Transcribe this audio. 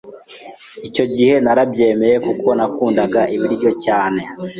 icyo gihe narabyemeye kuko nakundaga ibiryo cyane